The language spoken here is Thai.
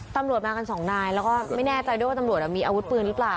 ตำรวจมากันสองนายแล้วก็ไม่แน่ใจด้วยว่าตำรวจมีอาวุธปืนหรือเปล่า